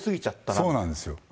そうなんですよ。